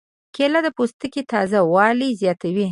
کېله د پوستکي تازه والی زیاتوي.